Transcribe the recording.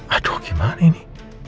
aduh gimana ini